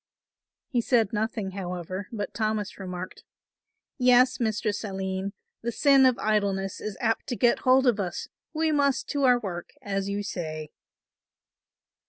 He said nothing, however, but Thomas remarked; "Yes, Mistress Aline, the sin of idleness is apt to get hold of us, we must to our work as you say."